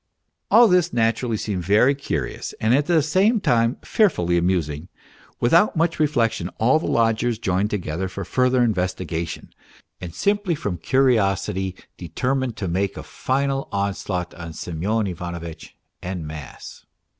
All this naturally seemed very curious and at the same time fearfully amusing. Without much reflection, all the lodgers joined together for further investigation, and simply from curio sity determined to make a final onslaught on Semyon Ivanovitch en masse.